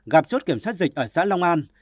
gặp chốt kiểm soát dịch ở xã long an